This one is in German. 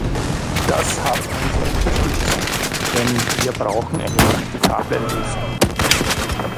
Das hat unsere Unterstützung, denn wir brauchen eine praktikable Lösung.